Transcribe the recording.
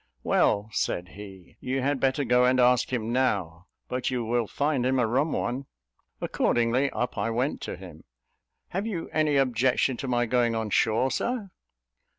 "Well," said he, "you had better go and ask him now; but you will find him a rum one." Accordingly, up I went to him. "Have you any objection to my going on shore, Sir?"